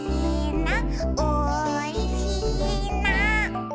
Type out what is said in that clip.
「おいしいな」